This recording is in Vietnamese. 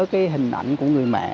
cái hình ảnh của người mẹ